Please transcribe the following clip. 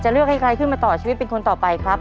เลือกให้ใครขึ้นมาต่อชีวิตเป็นคนต่อไปครับ